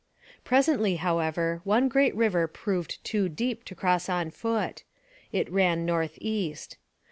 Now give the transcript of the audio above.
Presently, however, one great river proved too deep to cross on foot. It ran north east.